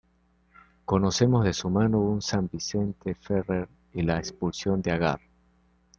Conocemos de su mano un "San Vicente Ferrer" y "La expulsión de Agar".